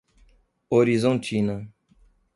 Horizontina